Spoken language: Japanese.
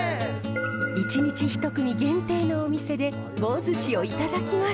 １日１組限定のお店で棒ずしをいただきます。